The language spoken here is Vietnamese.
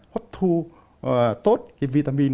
hốt thu tốt cái vitamin